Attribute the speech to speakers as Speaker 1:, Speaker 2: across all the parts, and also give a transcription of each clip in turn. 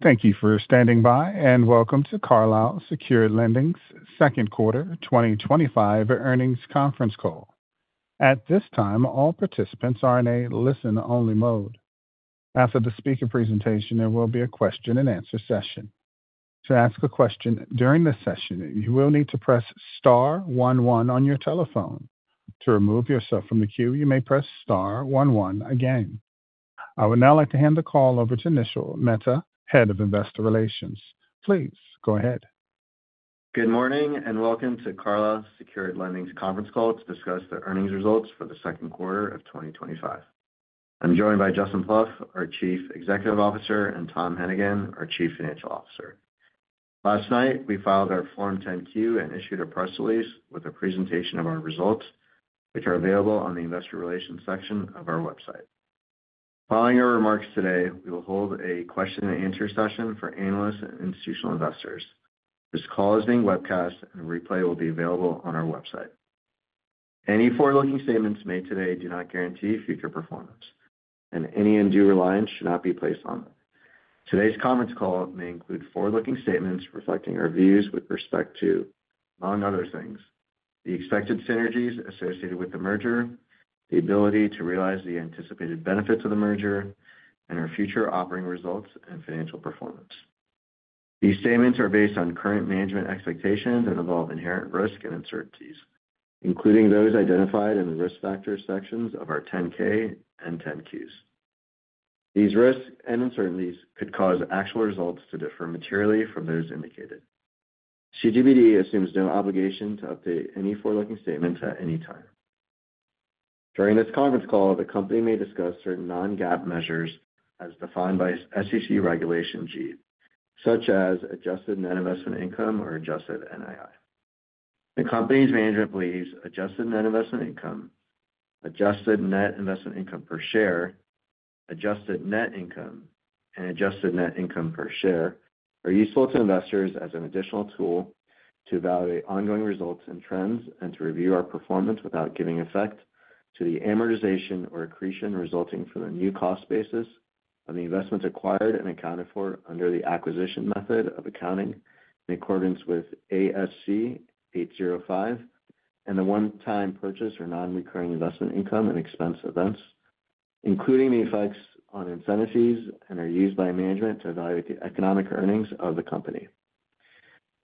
Speaker 1: Thank you for standing by and welcome to Carlyle Secured Lending's Second Quarter 2025 Earnings Conference Call. At this time, all participants are in a listen-only mode. After the speaker presentation, there will be a question and answer session. To ask a question during this session, you will need to press star one one on your telephone. To remove yourself from the queue, you may press star one one again. I would now like to hand the call over to Nishil Mehta, Head of Investor Relations. Please go ahead.
Speaker 2: Good morning and welcome to Carlyle Secured Lending's Conference Call to discuss the earnings results for the second quarter of 2025. I'm joined by Justin Plouffe, our Chief Executive Officer, and Tom Hennigan, our Chief Financial Officer. Last night, we filed our Form 10-Q and issued a press release with a presentation of our results, which are available on the Investor Relations section of our website. Following our remarks today, we will hold a question and answer session for analysts and institutional investors. This call is being webcast, and a replay will be available on our website. Any forward-looking statements made today do not guarantee future performance, and any undue reliance should not be placed on them. Today's conference call may include forward-looking statements reflecting our views with respect to, among other things, the expected synergies associated with the merger, the ability to realize the anticipated benefits of the merger, and our future operating results and financial performance. These statements are based on current management expectations and involve inherent risks and uncertainties, including those identified in the risk factors sections of our 10-K and 10-Qs. These risks and uncertainties could cause actual results to differ materially from those indicated. CGBD assumes no obligation to update any forward-looking statements at any time. During this conference call, the company may discuss certain non-GAAP measures as defined by SEC Regulation G, such as adjusted net investment income or adjusted NII. The company's management believes adjusted net investment income, adjusted net investment income per share, adjusted net income, and adjusted net income per share are useful to investors as an additional tool to evaluate ongoing results and trends and to review our performance without giving effect to the amortization or accretion resulting from the new cost basis of the investments acquired and accounted for under the acquisition method of accounting in accordance with ASC 805 and the one-time purchase or non-recurring investment income and expense events, including the effects on incentives and are used by management to evaluate the economic earnings of the company.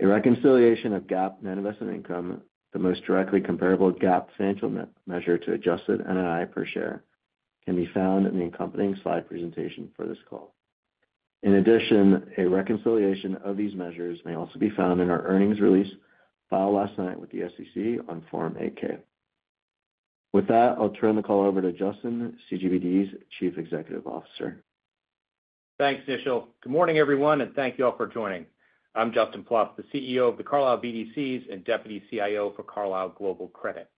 Speaker 2: A reconciliation of GAAP net investment income, the most directly comparable GAAP financial measure to adjusted NII per share, can be found in the accompanying slide presentation for this call. In addition, a reconciliation of these measures may also be found in our earnings release filed last night with the SEC on Form 8-K. With that, I'll turn the call over to Justin, CGBD's Chief Executive Officer.
Speaker 3: Thanks, Nishil. Good morning, everyone, and thank you all for joining. I'm Justin Plouffe, the CEO of the Carlyle BDCs and Deputy CIO for Carlyle Global Credit.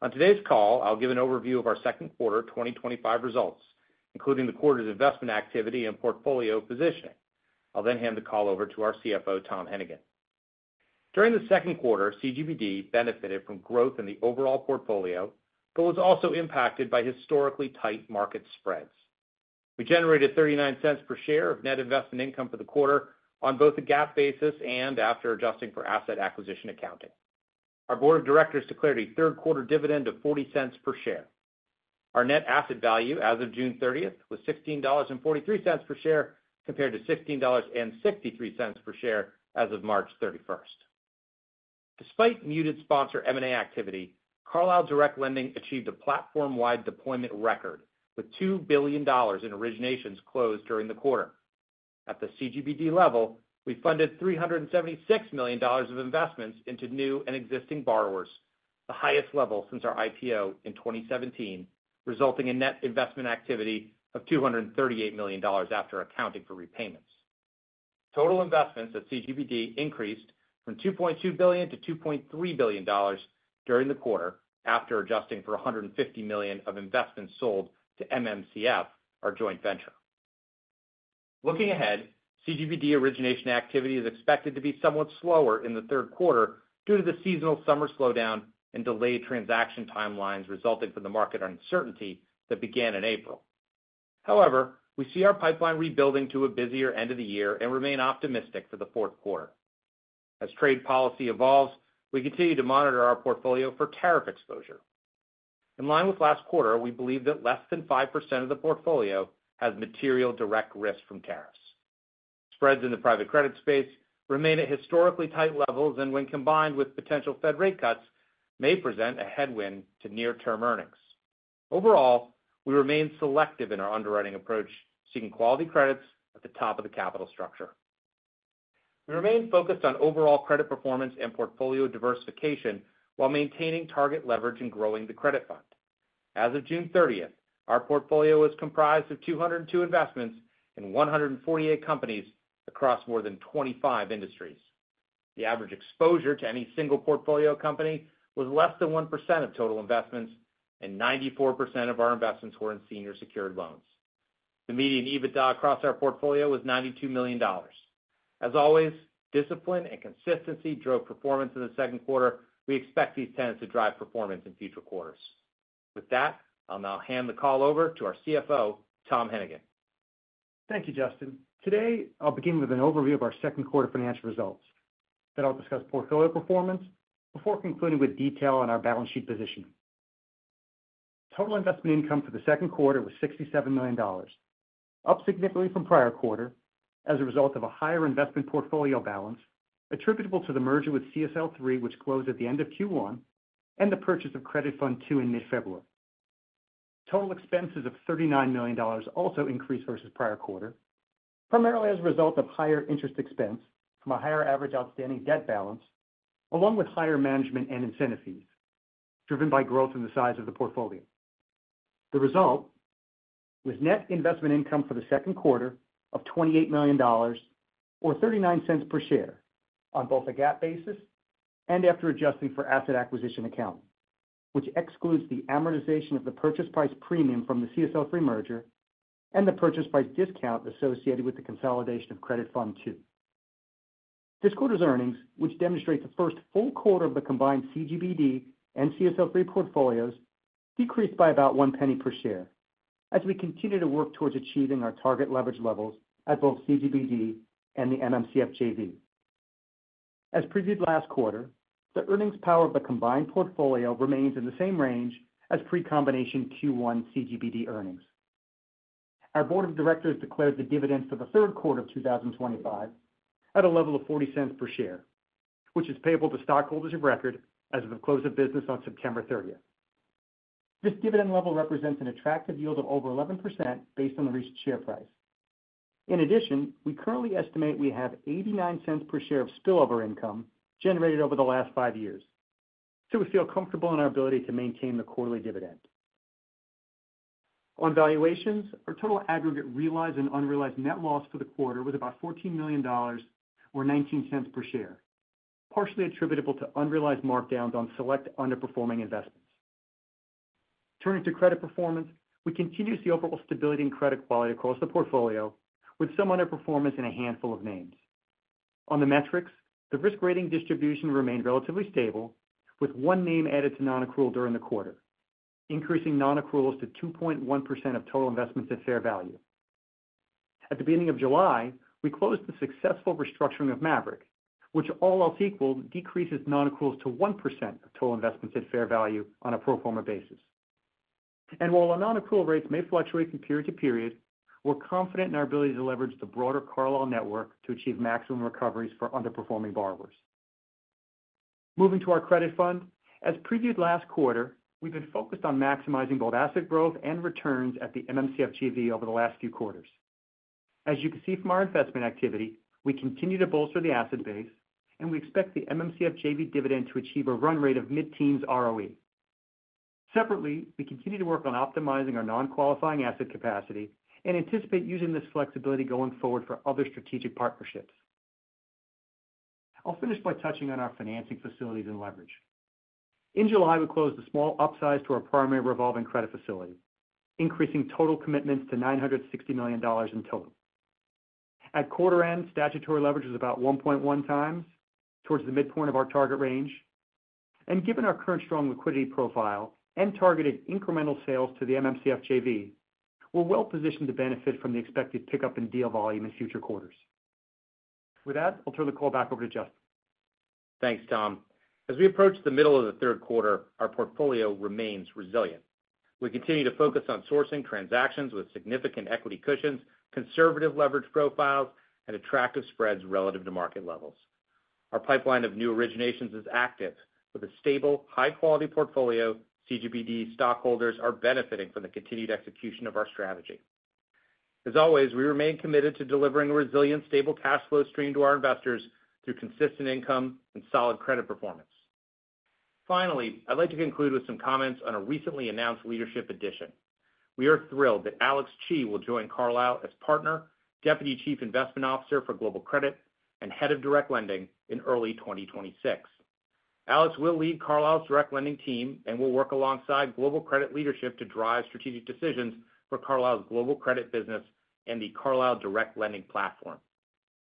Speaker 3: On today's call, I'll give an overview of our second quarter 2025 results, including the quarter's investment activity and portfolio positioning. I'll then hand the call over to our CFO, Tom Hennigan. During the second quarter, CGBD benefited from growth in the overall portfolio, but was also impacted by historically tight market spreads. We generated $0.39 per share of net investment income for the quarter on both a GAAP basis and after adjusting for asset acquisition accounting. Our board of directors declared a third quarter dividend of $0.40 per share. Our net asset value as of June 30 was $16.43 per share compared to $16.63 per share as of March 31. Despite muted sponsor M&A activity, Carlyle Direct Lending achieved a platform-wide deployment record with $2 billion in originations closed during the quarter. At the CGBD level, we funded $376 million of investments into new and existing borrowers, the highest level since our IPO in 2017, resulting in net investment activity of $238 million after accounting for repayments. Total investments at CGBD increased from $2.2 billion to $2.3 billion during the quarter after adjusting for $150 million of investments sold to MMCF, our joint venture. Looking ahead, CGBD origination activity is expected to be somewhat slower in the third quarter due to the seasonal summer slowdown and delayed transaction timelines resulting from the market uncertainty that began in April. However, we see our pipeline rebuilding to a busier end of the year and remain optimistic for the fourth quarter. As trade policy evolves, we continue to monitor our portfolio for tariff exposure. In line with last quarter, we believe that less than 5% of the portfolio has material direct risks from tariffs. Spreads in the private credit space remain at historically tight levels and, when combined with potential Fed rate cuts, may present a headwind to near-term earnings. Overall, we remain selective in our underwriting approach, seeking quality credits at the top of the capital structure. We remain focused on overall credit performance and portfolio diversification while maintaining target leverage and growing the credit fund. As of June 30, our portfolio was comprised of 202 investments in 148 companies across more than 25 industries. The average exposure to any single portfolio company was less than 1% of total investments, and 94% of our investments were in senior secured loans. The median EBITDA across our portfolio was $92 million. As always, discipline and consistency drove performance in the second quarter. We expect these tenets to drive performance in future quarters. With that, I'll now hand the call over to our CFO, Tom Hennigan.
Speaker 4: Thank you, Justin. Today, I'll begin with an overview of our second quarter financial results. Then I'll discuss portfolio performance before concluding with detail on our balance sheet positioning. Total investment income for the second quarter was $67 million, up significantly from prior quarter as a result of a higher investment portfolio balance attributable to the merger with CSL3, which closed at the end of Q1, and the purchase of Credit Fund II in mid-February. Total expenses of $39 million also increased versus prior quarter, primarily as a result of higher interest expense and a higher average outstanding debt balance, along with higher management and incentive fees, driven by growth in the size of the portfolio. The result was net investment income for the second quarter of $28 million, or $0.39 per share on both a GAAP basis and after adjusting for asset acquisition accounting, which excludes the amortization of the purchase price premium from the CSL3 merger and the purchase price discount associated with the consolidation of Credit Fund II. This quarter's earnings, which demonstrate the first full quarter of the combined CGBD and CSL3 portfolios, decreased by about one penny per share as we continue to work towards achieving our target leverage levels at both CGBD and the MMCF joint venture. As previewed last quarter, the earnings power of the combined portfolio remains in the same range as pre-combination Q1 CGBD earnings. Our Board of Directors declared the dividends for the third quarter of 2025 at a level of $0.40 per share, which is payable to stockholders of record as of the close of business on September 30th. This dividend level represents an attractive yield of over 11% based on the recent share price. In addition, we currently estimate we have $0.89 per share of spillover income generated over the last five years, so we feel comfortable in our ability to maintain the quarterly dividend. On valuations, our total aggregate realized and unrealized net loss for the quarter was about $14 million, or $0.19 per share, partially attributable to unrealized markdowns on select underperforming investments. Turning to credit performance, we continue to see overall stability in credit quality across the portfolio, with some underperformance in a handful of names. On the metrics, the risk rating distribution remained relatively stable, with one name added to non-accrual during the quarter, increasing non-accruals to 2.1% of total investments at fair value. At the beginning of July, we closed the successful restructuring of Maverick, which all else equal decreases non-accruals to 1% of total investments at fair value on a pro forma basis. While our non-accrual rates may fluctuate from period to period, we're confident in our ability to leverage the broader Carlyle network to achieve maximum recoveries for underperforming borrowers. Moving to our credit fund, as previewed last quarter, we've been focused on maximizing both asset growth and returns at the MMCF joint venture over the last few quarters. As you can see from our investment activity, we continue to bolster the asset base, and we expect the MMCF joint venture dividend to achieve a run rate of mid-teens ROE. Separately, we continue to work on optimizing our non-qualifying asset capacity and anticipate using this flexibility going forward for other strategic partnerships. I'll finish by touching on our financing facilities and leverage. In July, we closed the small upsize to our primary revolving credit facility, increasing total commitments to $960 million in total. At quarter end, statutory leverage was about 1.1x toward the midpoint of our target range, and given our current strong liquidity profile and targeted incremental sales to the MMCF JV, we're well positioned to benefit from the expected pickup in deal volume in future quarters. With that, I'll turn the call back over to Justin.
Speaker 3: Thanks, Tom. As we approach the middle of the third quarter, our portfolio remains resilient. We continue to focus on sourcing transactions with significant equity cushions, conservative leverage profiles, and attractive spreads relative to market levels. Our pipeline of new originations is active with a stable, high-quality portfolio. CGBD stockholders are benefiting from the continued execution of our strategy. As always, we remain committed to delivering a resilient, stable cash flow stream to our investors through consistent income and solid credit performance. Finally, I'd like to conclude with some comments on a recently announced leadership addition. We are thrilled that Alex Chee will join Carlyle as Partner, Deputy Chief Investment Officer for Global Credit, and Head of Direct Lending in early 2026. Alex will lead Carlyle's direct lending team and will work alongside Global Credit leadership to drive strategic decisions for Carlyle's global credit business and the Carlyle Direct Lending platform.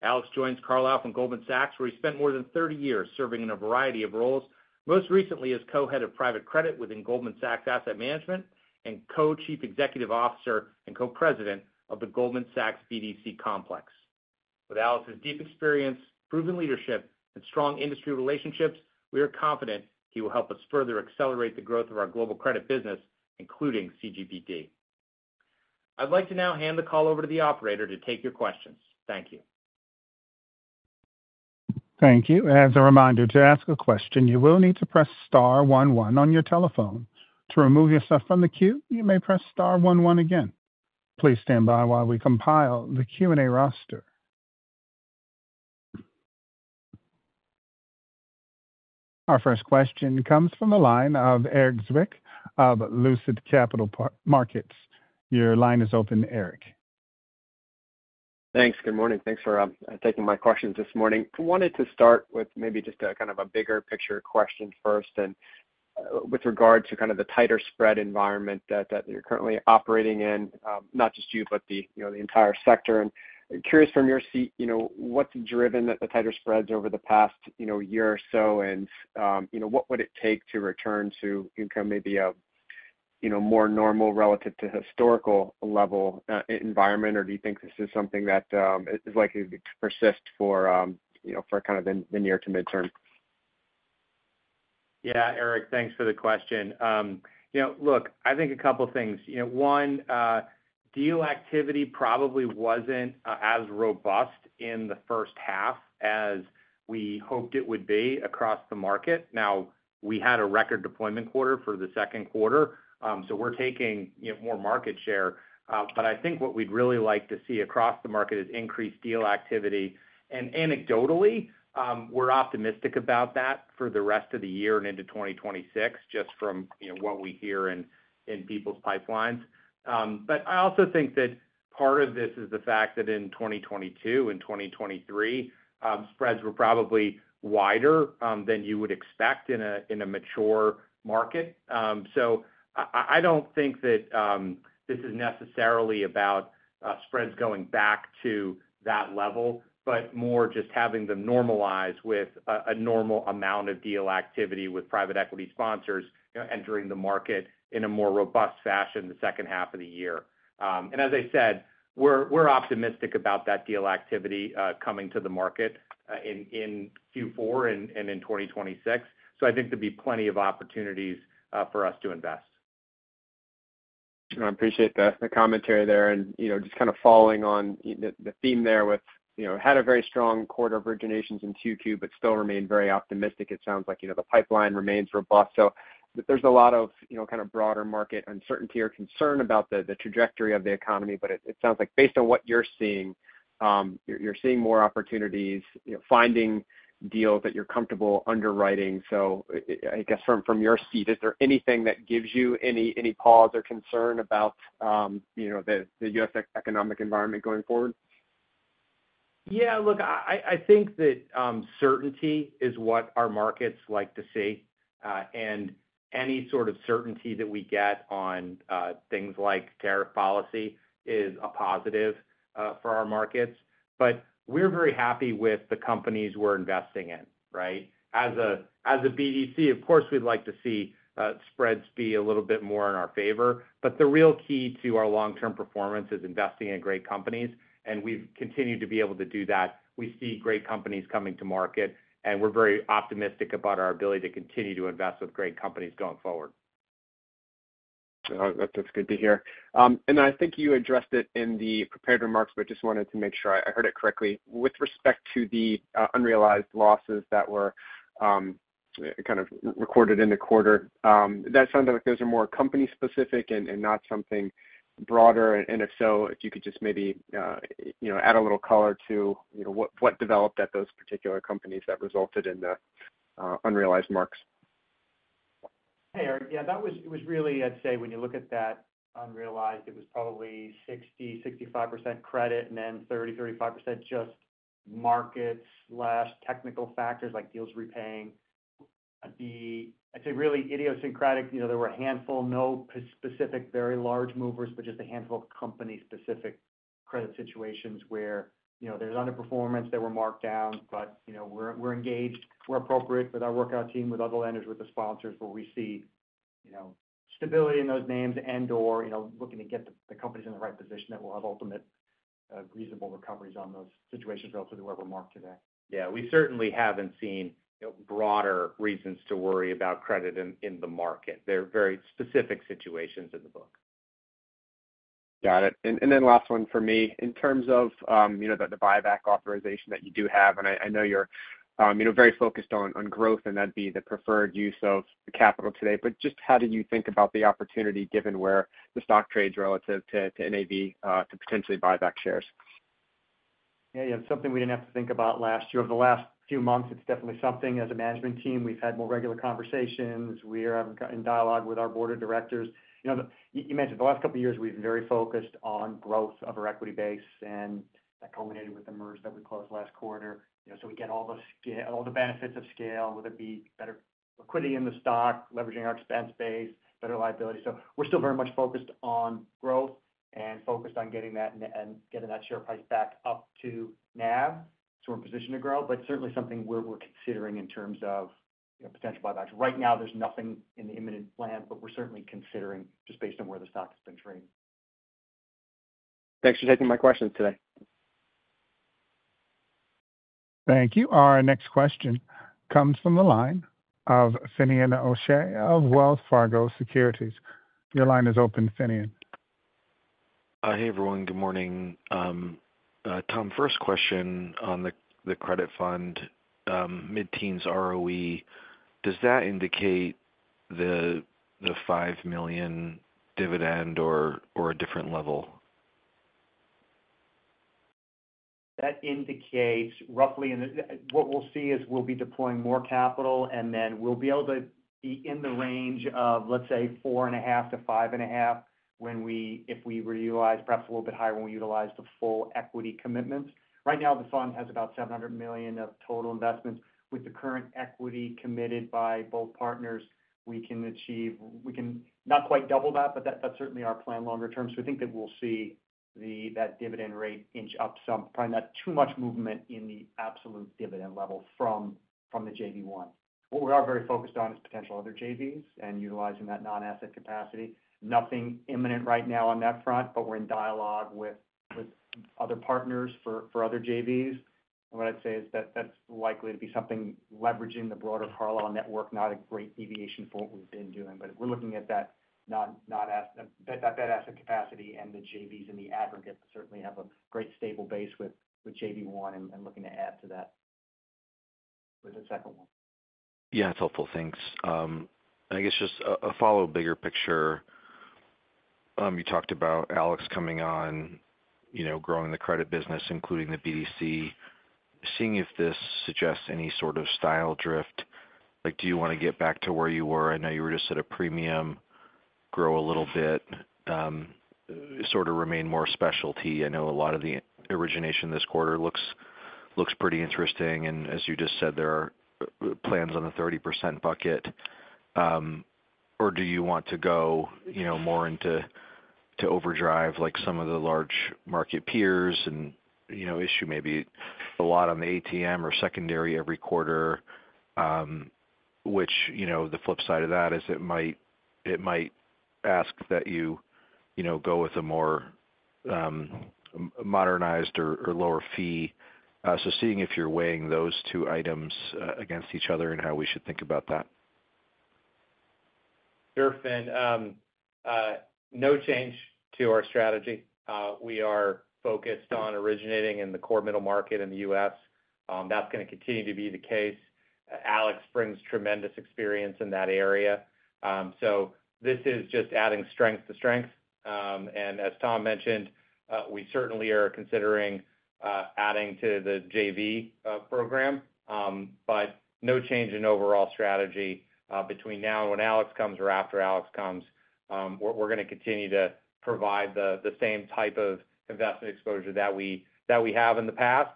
Speaker 3: Alex joins Carlyle from Goldman Sachs, where he spent more than 30 years serving in a variety of roles, most recently as Co-Head of Private Credit within Goldman Sachs Asset Management and Co-Chief Executive Officer and Co-President of the Goldman Sachs BDC Complex. With Alex's deep experience, proven leadership, and strong industry relationships, we are confident he will help us further accelerate the growth of our global credit business, including CGBD. I'd like to now hand the call over to the operator to take your questions. Thank you.
Speaker 1: Thank you. As a reminder, to ask a question, you will need to press *11 on your telephone. To remove yourself from the queue, you may press star one one again. Please stand by while we compile the Q&A roster. Our first question comes from the line of Erik Zwick of Lucid Capital Markets. Your line is open, Erik.
Speaker 5: Thanks. Good morning. Thanks for taking my questions this morning. I wanted to start with maybe just a kind of a bigger picture question first, and with regard to kind of the tighter spread environment that you're currently operating in, not just you, but the entire sector. I'm curious from your seat, what's driven the tighter spreads over the past year or so, and what would it take to return to income maybe a more normal relative to historical level environment, or do you think this is something that is likely to persist for the near to midterm?
Speaker 3: Yeah, Eric, thanks for the question. I think a couple of things. One, deal activity probably wasn't as robust in the first half as we hoped it would be across the market. We had a record deployment quarter for the second quarter, so we're taking more market share. What we'd really like to see across the market is increased deal activity. Anecdotally, we're optimistic about that for the rest of the year and into 2026, just from what we hear in people's pipelines. I also think that part of this is the fact that in 2022 and 2023, spreads were probably wider than you would expect in a mature market. I don't think that this is necessarily about spreads going back to that level, but more just having them normalize with a normal amount of deal activity with private equity sponsors entering the market in a more robust fashion the second half of the year. As I said, we're optimistic about that deal activity coming to the market in Q4 and in 2026. I think there'll be plenty of opportunities for us to invest.
Speaker 5: I appreciate the commentary there. Just kind of following on the theme there, had a very strong quarter of originations in 2Q, but still remained very optimistic. It sounds like the pipeline remains robust. There is a lot of broader market uncertainty or concern about the trajectory of the economy. It sounds like based on what you're seeing, you're seeing more opportunities, finding deals that you're comfortable underwriting. I guess from your seat, is there anything that gives you any pause or concern about the U.S. economic environment going forward?
Speaker 3: Yeah, look, I think that certainty is what our markets like to see. Any sort of certainty that we get on things like tariff policy is a positive for our markets. We're very happy with the companies we're investing in, right? As a BDC, of course, we'd like to see spreads be a little bit more in our favor. The real key to our long-term performance is investing in great companies, and we've continued to be able to do that. We see great companies coming to market, and we're very optimistic about our ability to continue to invest with great companies going forward.
Speaker 5: That's good to hear. I think you addressed it in the prepared remarks, but I just wanted to make sure I heard it correctly. With respect to the unrealized losses that were kind of recorded in the quarter, it sounds like those are more company-specific and not something broader. If so, could you just maybe add a little color to what developed at those particular companies that resulted in the unrealized marks.
Speaker 4: Hey, Erik. Yeah, that was, it was really, I'd say when you look at that unrealized, it was probably 60%-65% credit and then 30%-35% just markets, technical factors like deals repaying. I'd say really idiosyncratic, you know, there were a handful, no specific very large movers, but just a handful of company-specific credit situations where, you know, there's underperformance, there were markdowns, but, you know, we're engaged, we're appropriate with our workout team, with other lenders, with the sponsors, where we see, you know, stability in those names and/or, you know, looking to get the companies in the right position that will have ultimate reasonable recoveries on those situations relative to where we're marked today.
Speaker 3: Yeah, we certainly haven't seen broader reasons to worry about credit in the market. They're very specific situations in the book.
Speaker 5: Got it. Last one for me, in terms of the buyback authorization that you do have, I know you're very focused on growth, and that'd be the preferred use of the capital today. How do you think about the opportunity given where the stock trades relative to net asset value to potentially buy back shares?
Speaker 4: Yeah, you have something we didn't have to think about last year. Over the last few months, it's definitely something as a management team we've had more regular conversations. We're having dialogue with our board of directors. You know, you mentioned the last couple of years we've been very focused on growth of our equity base, and that culminated with the merger that we closed last quarter. We get all the benefits of scale, whether it be better liquidity in the stock, leveraging our expense base, better liability. We're still very much focused on growth and focused on getting that and getting that share price back up to net asset value. We're in a position to grow, but certainly something we're considering in terms of potential buybacks. Right now, there's nothing in the imminent plan, but we're certainly considering just based on where the stock has been trading.
Speaker 5: Thanks for taking my questions today.
Speaker 1: Thank you. Our next question comes from the line of Finian O'Shea of Wells Fargo Securities. Your line is open, Finian.
Speaker 6: Hey everyone, good morning. Tom, first question on the credit fund, mid-teens ROE, does that indicate the $5 million dividend or a different level?
Speaker 4: That indicates roughly, and what we'll see is we'll be deploying more capital, and then we'll be able to be in the range of, let's say, $4.5 million-$5.5 million when we, if we were to utilize perhaps a little bit higher when we utilize the full equity commitment. Right now, the fund has about $700 million of total investments. With the current equity committed by both partners, we can achieve, we can not quite double that, but that's certainly our plan longer term. I think that we'll see that dividend rate inch up some, probably not too much movement in the absolute dividend level from the JV one. What we are very focused on is potential other JVs and utilizing that non-asset capacity. Nothing imminent right now on that front, but we're in dialogue with other partners for other JVs. What I'd say is that that's likely to be something leveraging the broader Carlyle network, not a great deviation from what we've been doing, but we're looking at that non-asset, that asset capacity and the JVs in the aggregate certainly have a great stable base with JV one and looking to add to that with the second one.
Speaker 6: Yeah, it's helpful. Thanks. I guess just a follow-up, bigger picture. You talked about Alex coming on, you know, growing the credit business, including the BDC, seeing if this suggests any sort of style drift. Like, do you want to get back to where you were? I know you were just at a premium, grow a little bit, sort of remain more specialty. I know a lot of the origination this quarter looks pretty interesting. As you just said, there are plans on the 30% bucket. Do you want to go more into overdrive like some of the large market peers and, you know, issue maybe a lot on the ATM or secondary every quarter, which, you know, the flip side of that is it might ask that you go with a more modernized or lower fee. Seeing if you're weighing those two items against each other and how we should think about that.
Speaker 3: Sure, Finian. No change to our strategy. We are focused on originating in the core middle market in the U.S. That's going to continue to be the case. Alex brings tremendous experience in that area. This is just adding strength to strength. As Tom mentioned, we certainly are considering adding to the JV program. No change in overall strategy between now and when Alex comes or after Alex comes. We're going to continue to provide the same type of investment exposure that we have in the past.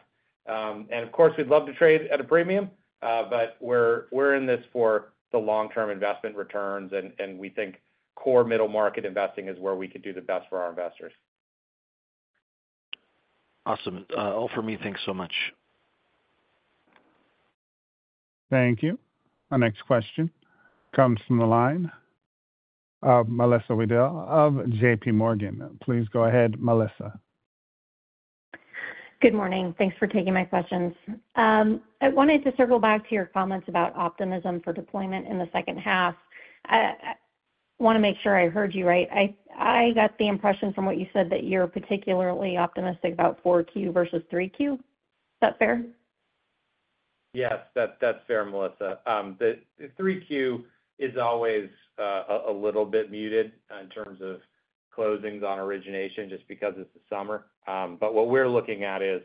Speaker 3: Of course, we'd love to trade at a premium, but we're in this for the long-term investment returns, and we think core middle market investing is where we could do the best for our investors.
Speaker 6: Awesome. All for me. Thanks so much.
Speaker 1: Thank you. Our next question comes from the line of Melissa Wedel of JPMorgan. Please go ahead, Melissa.
Speaker 7: Good morning. Thanks for taking my questions. I wanted to circle back to your comments about optimism for deployment in the second half. I want to make sure I heard you right. I got the impression from what you said that you're particularly optimistic about 4Q versus 3Q. Is that fair?
Speaker 3: Yes, that's fair, Melissa. The 3Q is always a little bit muted in terms of closings on originations just because it's the summer. What we're looking at is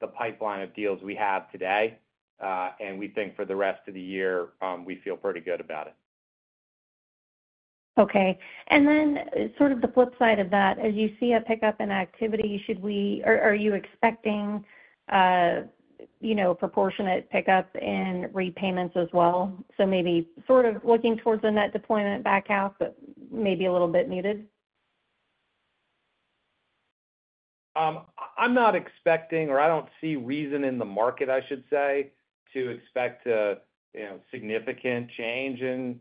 Speaker 3: the pipeline of deals we have today, and we think for the rest of the year, we feel pretty good about it.
Speaker 5: Okay. Then sort of the flip side of that, as you see a pickup in activity, should we, or are you expecting, you know, proportionate pickup in repayments as well? Maybe sort of looking towards a net deployment back half, but maybe a little bit muted?
Speaker 3: I'm not expecting, or I don't see reason in the market, I should say, to expect a significant change in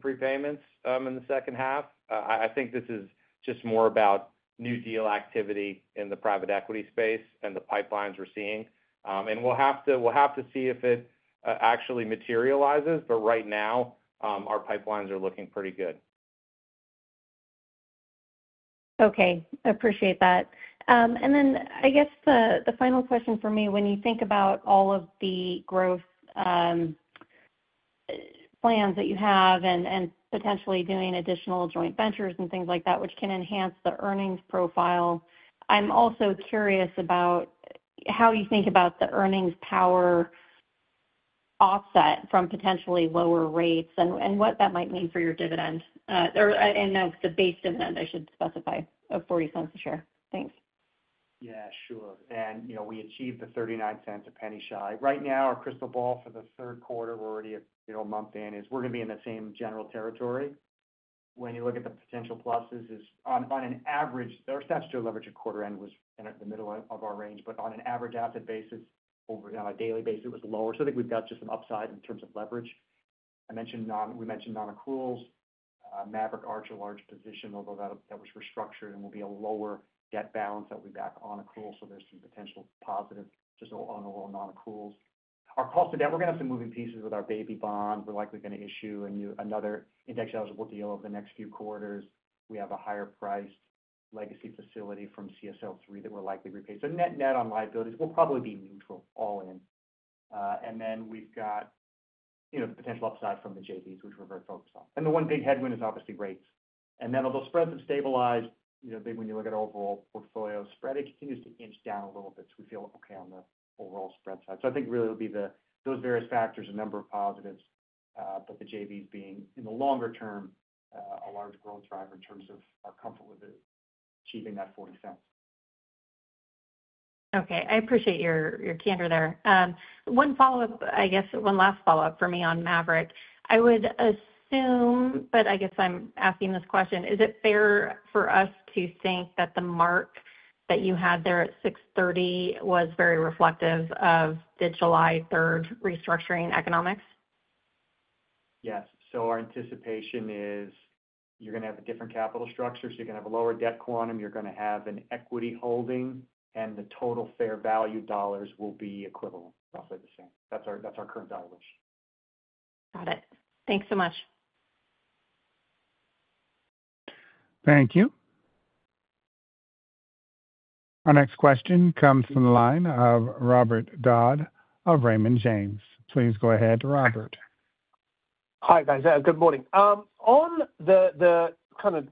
Speaker 3: prepayments in the second half. I think this is just more about new deal activity in the private equity space and the pipelines we're seeing. We'll have to see if it actually materializes, but right now, our pipelines are looking pretty good.
Speaker 7: Okay. I appreciate that. I guess the final question for me, when you think about all of the growth plans that you have and potentially doing additional joint ventures and things like that, which can enhance the earnings profile, I'm also curious about how you think about the earnings power offset from potentially lower rates and what that might mean for your dividend. I know the base dividend, I should specify, of $0.40 a share. Thanks.
Speaker 4: Yeah, sure. You know, we achieved the $0.39, a penny shy. Right now, our crystal ball for the third quarter, we're already a month in, is we're going to be in the same general territory. When you look at the potential pluses, on an average, our statutory leverage at quarter end was in the middle of our range, but on an average asset basis, over a daily basis, it was lower. I think we've got just some upside in terms of leverage. I mentioned, we mentioned non-accruals. Maverick Archer, large position, although that was restructured and will be a lower debt balance, that will be back on accrual. There's some potential positives just on a little non-accruals. Our cost of debt, we're going to have some moving pieces with our baby bond. We're likely going to issue another index eligible deal over the next few quarters. We have a higher priced legacy facility from CSL3 that we're likely repaying. Net net on liabilities will probably be neutral all in. We've got the potential upside from the JVs, which we're very focused on. The one big headwind is obviously rates. Although spreads have stabilized, when you look at overall portfolio spread, it continues to inch down a little bit. We feel okay on the overall spread side. I think really it'll be those various factors, a number of positives, but the JVs being in the longer term, a large growth driver in terms of our comfort with achieving that $0.40.
Speaker 7: Okay. I appreciate your candor there. One follow-up, I guess, one last follow-up for me on Maverick. I would assume, but I guess I'm asking this question, is it fair for us to think that the mark that you had there at $630 was very reflective of the July 3rd restructuring economics?
Speaker 4: Yes. Our anticipation is you're going to have a different capital structure, you're going to have a lower debt quantum, you're going to have an equity holding, and the total fair value dollars will be equivalent, roughly the same. That's our current dilemma.
Speaker 7: Got it. Thanks so much.
Speaker 1: Thank you. Our next question comes from the line of Robert Dodd of Raymond James. Please go ahead, Robert.
Speaker 8: Hi guys. Good morning. On the kind of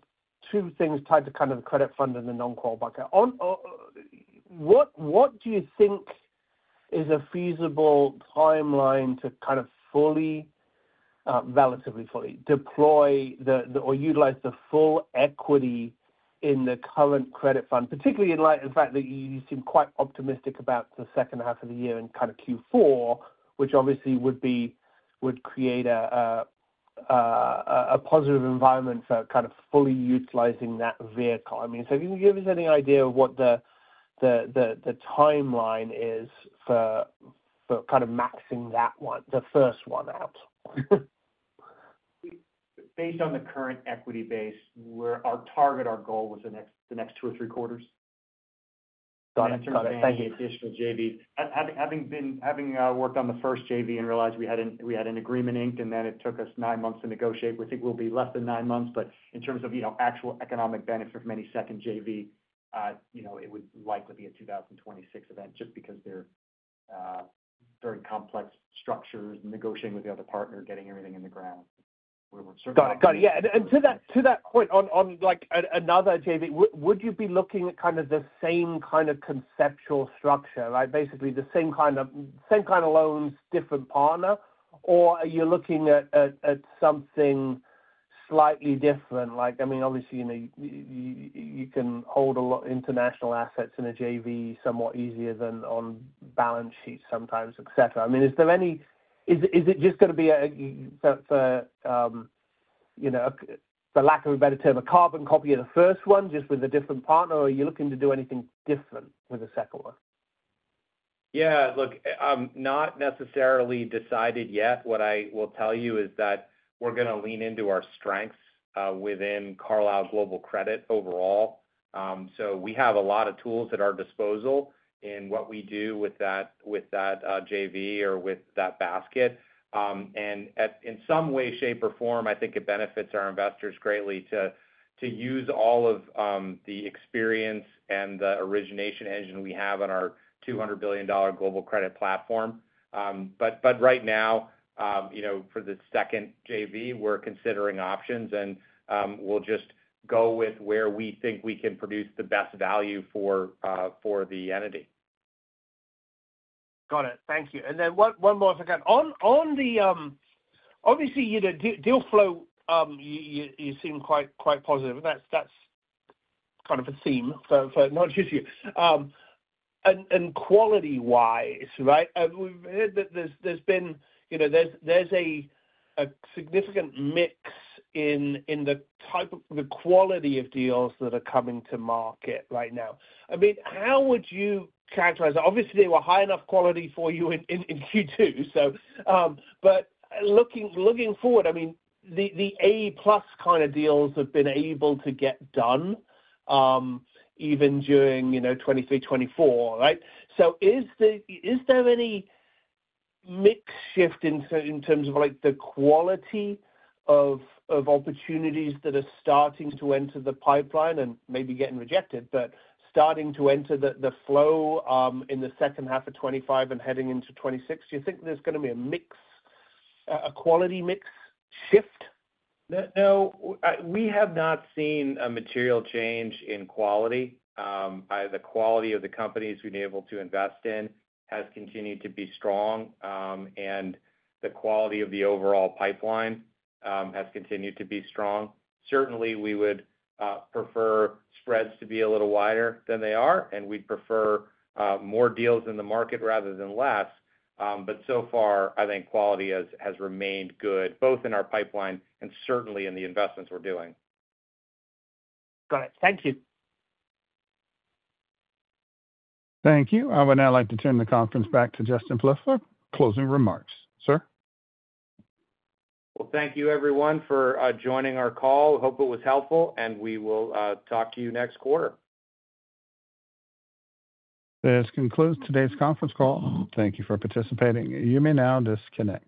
Speaker 8: two things tied to the credit fund and the non-core bucket, what do you think is a feasible timeline to fully, relatively fully, deploy or utilize the full equity in the current credit fund, particularly in light of the fact that you seem quite optimistic about the second half of the year and Q4, which obviously would create a positive environment for fully utilizing that vehicle. Can you give us any idea of what the timeline is for maxing that one, the first one out?
Speaker 4: Based on the current equity base, our target, our goal was the next two or three quarters. I think in terms of the additional joint ventures, having worked on the first joint venture and realized we had an agreement inked and then it took us nine months to negotiate, we think we'll be less than nine months. In terms of actual economic benefit from any second joint venture, it would likely be a 2026 event just because they're very complex structures, negotiating with the other partner, getting everything in the ground.
Speaker 8: Got it. Yeah. To that point on another joint venture, would you be looking at kind of the same conceptual structure, basically the same kind of loans, different partner, or are you looking at something slightly different? Obviously, you know, you can hold a lot of international assets in a joint venture somewhat easier than on balance sheets sometimes, etc. Is it just going to be, for lack of a better term, a carbon copy of the first one just with a different partner, or are you looking to do anything different with the second one?
Speaker 3: Yeah, look, not necessarily decided yet. What I will tell you is that we're going to lean into our strengths within Carlyle Global Credit overall. We have a lot of tools at our disposal in what we do with that JV or with that basket. In some way, shape, or form, I think it benefits our investors greatly to use all of the experience and the origination engine we have on our $200 billion global credit platform. Right now, for the second JV, we're considering options and we'll just go with where we think we can produce the best value for the entity.
Speaker 8: Got it. Thank you. One more if I can. On the, obviously, you know, deal flow, you seem quite positive, and that's kind of a theme for not just you. Quality-wise, right? We've heard that there's been, you know, a significant mix in the type of the quality of deals that are coming to market right now. How would you characterize that? Obviously, they were high enough quality for you in Q2. Looking forward, the A+ kind of deals have been able to get done even during 2023, 2024, right? Is there any mix shift in terms of the quality of opportunities that are starting to enter the pipeline and maybe getting rejected, but starting to enter the flow in the second half of 2025 and heading into 2026? Do you think there's going to be a mix, a quality mix shift?
Speaker 3: No, we have not seen a material change in quality. The quality of the companies we've been able to invest in has continued to be strong, and the quality of the overall pipeline has continued to be strong. Certainly, we would prefer spreads to be a little wider than they are, and we'd prefer more deals in the market rather than less. I think quality has remained good, both in our pipeline and certainly in the investments we're doing.
Speaker 8: Got it. Thank you.
Speaker 1: Thank you. I would now like to turn the conference back to Justin Plouffe for closing remarks, sir.
Speaker 3: Thank you, everyone, for joining our call. Hope it was helpful, and we will talk to you next quarter.
Speaker 1: This concludes today's conference call. Thank you for participating. You may now disconnect.